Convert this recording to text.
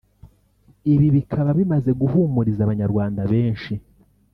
Ibi bikaba bimaze guhumuriza abanyarwanda benshi